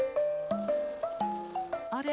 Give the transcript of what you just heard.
あれ？